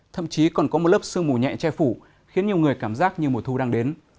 thậm chí còn có một lớp sương mù nhẹ che phủ khiến nhiều người cảm giác như mùa thu đang đến